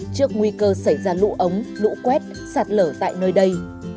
khi cơ xảy ra lũ ống lũ quét sạt lở tại nơi đây